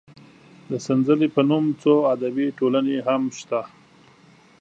د سنځلې په نوم څو ادبي ټولنې هم شته.